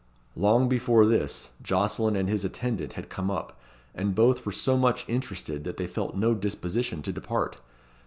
Long before this, Jocelyn and his attendant had come up, and both were so much interested that they felt no disposition to depart.